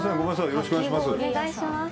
よろしくお願いします。